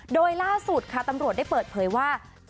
โดยล่าสุดค่ะตำรวจได้เปิดเผยว่า